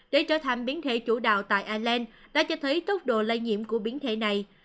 để trở thành biến thể chủ đạo tại ireland đã cho thấy tốc độ lây nhiễm của biến thể này